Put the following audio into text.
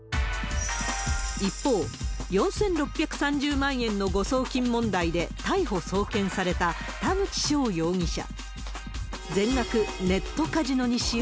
一方、４６３０万円の誤送金問題で逮捕、送検された田口翔容疑者。